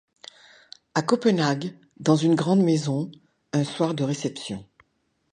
À Copenhague, dans une grande maison, un soir de réception.